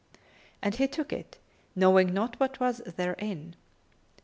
And he took it, knowing not what was therein.